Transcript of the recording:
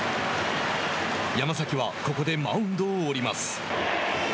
山崎はここでマウンドを降ります。